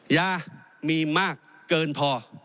ยามีมากเกินพอ